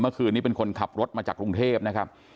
เมื่อคืนนี้เป็นคนขับรถมาจากกรุงเทพนะครับ